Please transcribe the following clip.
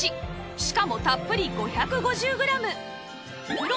しかもたっぷり５５０グラム